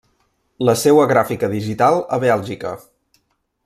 La seua gràfica digital a Bèlgica.